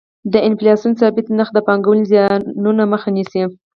د انفلاسیون ثابت نرخ د پانګونې زیانونو مخه نیسي.